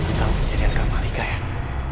tentang kejadian kapal ikan